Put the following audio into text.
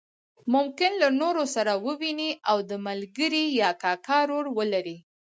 ممکن له نورو سره وویني او د ملګري یا کاکا رول ولري.